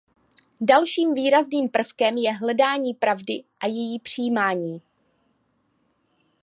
Dalším výrazným prvkem je hledání pravdy a její přijímání.